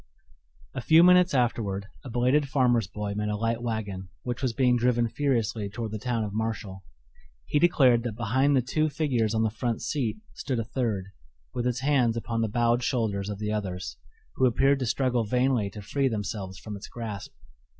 A few minutes afterward a belated farmer's boy met a light wagon which was being driven furiously toward the town of Marshall. He declared that behind the two figures on the front seat stood a third, with its hands upon the bowed shoulders of the others, who appeared to struggle vainly to free themselves from its grasp.